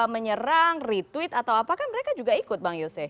menyerang retweet atau apakah mereka juga ikut bang yose